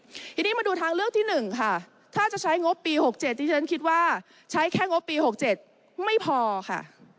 ทีนี้มาดูทางเลือกที่๑ค่ะถ้าจะใช้งบปี๖๗ที่ฉันคิดว่าใช้แค่งบปี๖๗ไม่พอค่ะ